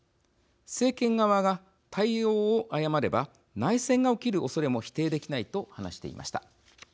政権側が対応を誤れば内戦が起きるおそれも否定できない」と話していました。